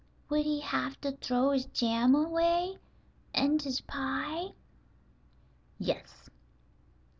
"Would he have to throw his jam away, and his pie?" "Yes."